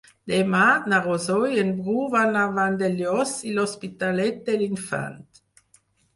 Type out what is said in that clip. Demà na Rosó i en Bru van a Vandellòs i l'Hospitalet de l'Infant.